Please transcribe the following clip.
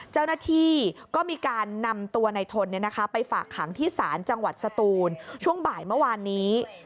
เจ้าหน้าที่ก็มีการนำตัวในทนไปฝากขังที่ศาลจังหวัดสตูนช่วงบ่ายเมื่อวานนี้